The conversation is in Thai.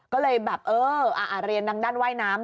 ก็เลยแบบเอออ่าเรียนในด้านไว้น้ำ